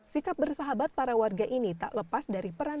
sikap bersahabat para warga ini tak lepas dari peran